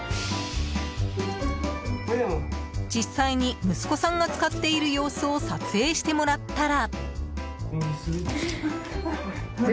実際に、息子さんが使っている様子を撮影してもらったら。